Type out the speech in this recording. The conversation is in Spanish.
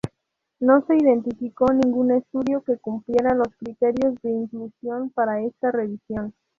No se identificó ningún estudio que cumpliera los criterios de inclusión para esta revisión.